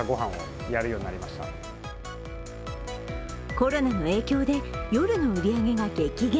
コロナの影響で夜の売り上げが激減。